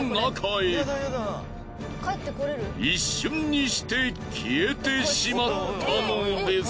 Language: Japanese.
一瞬にして消えてしまったのです。